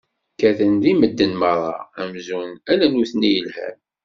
Kkaten deg medden meṛṛa amzun ala nutni i yelhan.